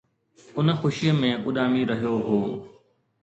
ان خوشيءَ ۾ اڏامي رهيو هو